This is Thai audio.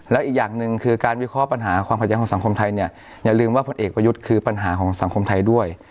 แล้วอีกอย่างหนึ่งคือการวิเคราะห์ปัญหาความเข้าใจของสังคมไทยเนี่ยอย่าลืมว่าผลเอกประยุทธ์คือปัญหาของสังคมไทยด้วย